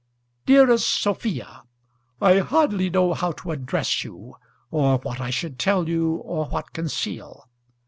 DEAREST SOPHIA, I hardly know how to address you; or what I should tell you or what conceal.